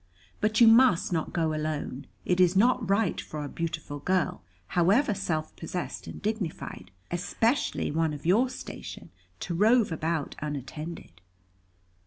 But you must not go alone. It is not right for a beautiful girl, however self possessed and dignified, especially one of your station, to rove about unattended."